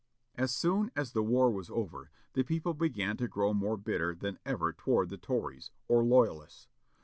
As soon as the war was over, the people began to grow more bitter than ever toward the Tories, or loyalists.